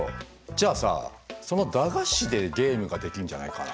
じゃあさその駄菓子でゲームができるんじゃないかな？